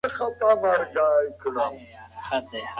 که تمرین دوام ولري، ګټه کوي.